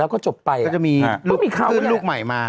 ก็จะมีลูกขึ้นลูกใหม่มา